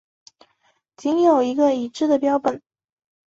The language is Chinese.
仅有一个已知的标本。